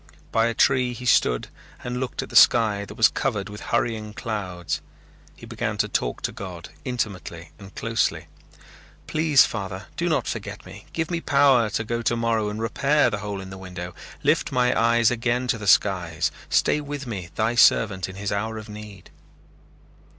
By a tree he stood and looked at the sky that was covered with hurrying clouds. He began to talk to God intimately and closely. "Please, Father, do not forget me. Give me power to go tomorrow and repair the hole in the window. Lift my eyes again to the skies. Stay with me, Thy servant, in his hour of need."